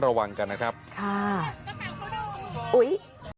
คุ้นไม่ดี